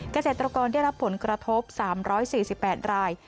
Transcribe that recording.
เกษตรกรได้รับผลกระทบ๓๔๘ราย